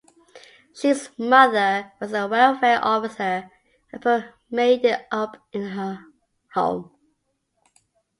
Chic's mother was the welfare officer and put Maidie up in her home.